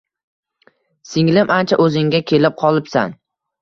Singlim ancha o`zingga kelib qolibsan